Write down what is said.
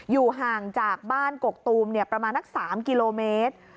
อยู่ห่างจากบ้านกกตูมประมาณนัก๓กิโลเมตร